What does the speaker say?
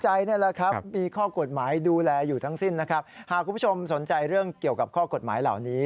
หากคุณผู้ชมสนใจเรื่องเกี่ยวกับกฎหมายเหล่านี้